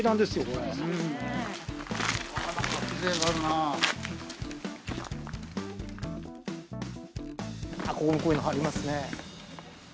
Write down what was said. ここもこういうのありますね。